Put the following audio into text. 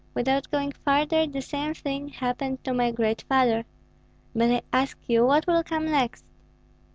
Without going farther, the same thing happened to my great father. But I ask you what will come next?"